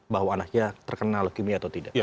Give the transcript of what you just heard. bahwa anaknya terkenal likimia atau tidak